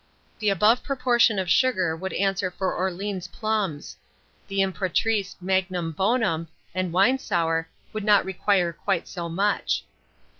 The above proportion of sugar would answer for Orleans plums; the Impératrice Magnum bonum, and Winesour would not require quite so much.